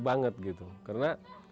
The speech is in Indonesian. banget gitu karena